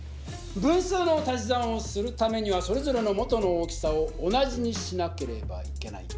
分数の足し算をするためにはそれぞれの元の大きさを同じにしなければいけない。